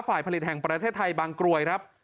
ฝ่ายผลิตแห่งประเทศไทยบางกรวยครับ